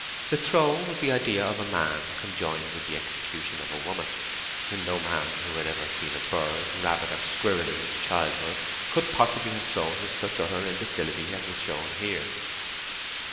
The throw was the idea of a man conjoined with the execution of a woman. No man who had ever seen bird, rabbit, or squirrel in his childhood, could possibly have thrown with such utter imbecility as was shown here.